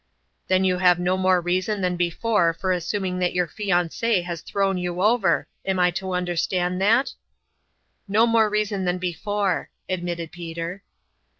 " Then you have no more reason than before for assuming that jour fiancee has thrown you over. Am I to understand that ?" "No more reason than before," admitted Peter.